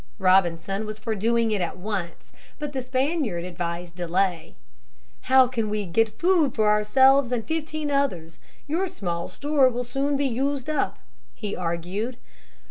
Robinson was for doing it at once. But the Spaniard advised delay. "How can we get food for ourselves and fifteen others? Your small store will soon be used up," he argued.